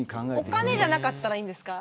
お金じゃなかったらいいんですか。